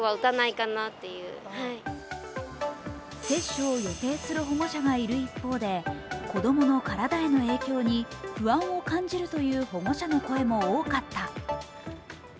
接種を予定する保護者がいる一方で子供の体への影響に不安を感じるという保護者の声も多かった。